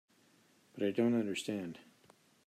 But I don't understand.